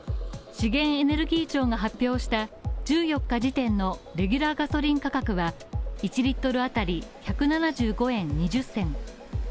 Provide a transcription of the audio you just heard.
資源エネルギー庁が発表した１４日時点のレギュラーガソリン価格は１リットル当たり１７５円２０銭。